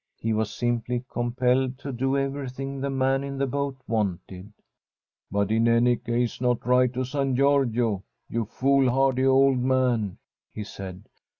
He was simply compelled to do everything the man in the boat wanted. * But in any case not right to San Giorgio, you foolhardy old man/ he said.